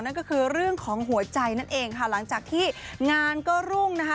นั่นก็คือเรื่องของหัวใจนั่นเองค่ะหลังจากที่งานก็รุ่งนะคะ